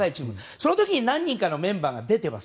その時に何人かのメンバーが出ています。